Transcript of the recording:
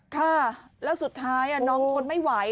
ค่ะแล้วสุดท้ายน้องทนไม่ไหว